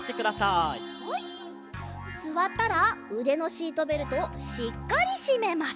すわったらうでのシートベルトをしっかりしめます。